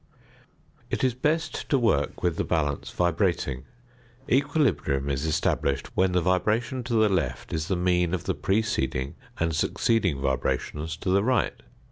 It is best to work with the balance vibrating; equilibrium is established when the vibration to the left is the mean of the preceding and succeeding vibrations to the right.